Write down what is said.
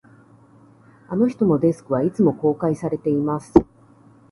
あの人のデスクは、いつも公開されています